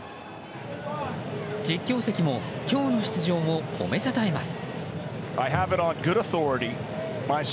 実況席も今日の出場を褒めたたえます。